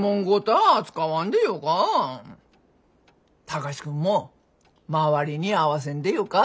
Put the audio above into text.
貴司君も周りに合わせんでよか。